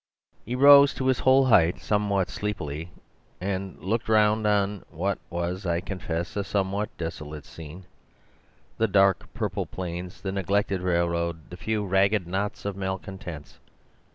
"He rose to his whole height somewhat sleepily, and looked round on what was, I confess, a somewhat desolate scene—the dark purple plains, the neglected railroad, the few ragged knots of malcontents.